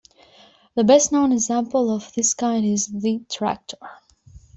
The best-known example of this kind is the tractor.